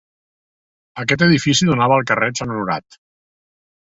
Aquest edifici donava al carrer Sant Honorat.